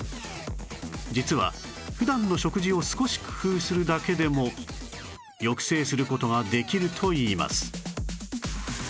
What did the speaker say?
実は普段の食事を少し工夫するだけでも抑制する事ができるといいます